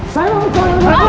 saya saya mau keluar